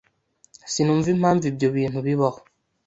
Sinumva impamvu ibyo bintu bibaho.